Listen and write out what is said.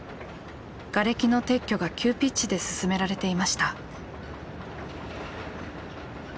がれきの撤去が急ピッチで進められていました。